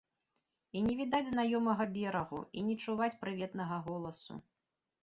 І не відаць знаёмага берагу, і не чуваць прыветнага голасу.